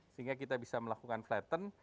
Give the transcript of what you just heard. sehingga kita bisa melakukan flatten